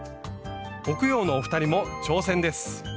北陽のお二人も挑戦です！